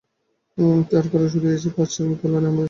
তাহার কারণ শুধু এই যে, প্রাচ্যের তুলনায় আপনাদের সভ্যতা খুবই আধুনিক।